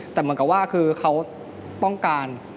แต่เหมือนกับว่าคือเขาต้องการ